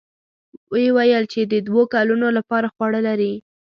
ويې ويل چې د دوو کلونو له پاره خواړه لري.